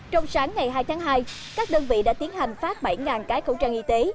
trong sáng ngày hai tháng hai các đơn vị đã tiến hành phát bảy cái khẩu trang y tế